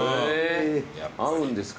合うんですか？